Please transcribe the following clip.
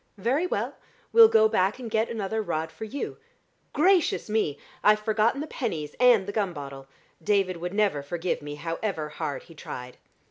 "Very well. We'll go back and get another rod for you. Gracious me! I've forgotten the pennies and the gum bottle. David would never forgive me, however hard he tried.